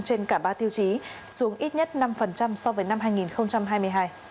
tài nạn giao thông trên cả ba tiêu chí xuống ít nhất năm so với năm hai nghìn hai mươi hai